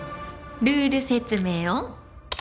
ルール説明オン！